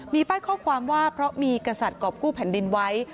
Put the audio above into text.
มีป้ายข้อความว่าเพราะมีกษัตริย์กรอบกู้แผ่นดินไว้